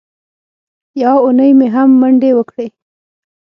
یوه اونۍ مې هم منډې وکړې.